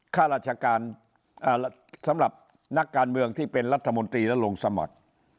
ข้าราชการสำหรับนักการเมืองที่เป็นรัฐมนตรีและลงสมัคร